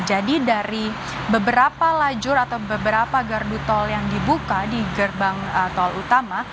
jadi dari beberapa lajur atau beberapa gardu tol yang dibuka di gerbang tol utama